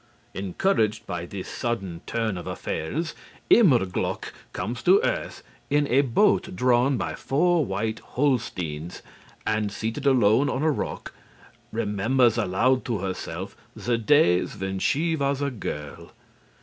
Encouraged by this sudden turn of affairs, Immerglück comes to earth in a boat drawn by four white Holsteins, and, seated alone on a rock, remembers aloud to herself the days when she was a girl.